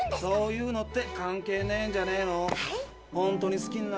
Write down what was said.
そういうのって関係ねえんじゃねえの。